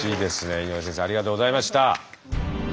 井上先生ありがとうございました。